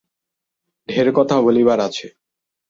ঢের কথা বলিবার আছে।